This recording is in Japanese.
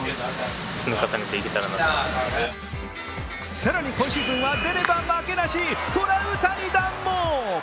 更に今シーズンは出れば負けなし、トラウタニ弾も。